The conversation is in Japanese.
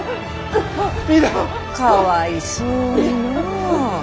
かわいそうにのぅ。